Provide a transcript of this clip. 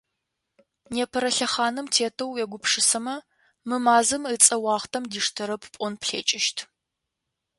Непэрэ лъэхъаным тетэу уегупшысэмэ, мы мазэм ыцӏэ уахътэм диштэрэп пӏон плъэкӏыщт.